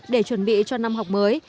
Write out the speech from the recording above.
để chuẩn bị cho năm học mới